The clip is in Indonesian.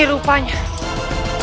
kau tidak bisa mencari kursi ini